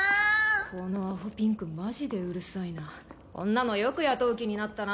このアホピンクマジでうるさいなこんなのよく雇う気になったな！